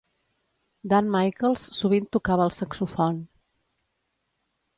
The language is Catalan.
Dan Michaels sovint tocava el saxofon.